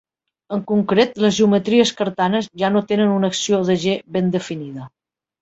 En concret, les geometries cartanes ja no tenen una acció de "G" ben definida.